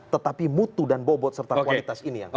tetapi butuh dan bobot serta kualitas ini yang kuat